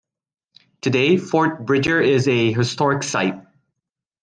Today, Fort Bridger is a historic site.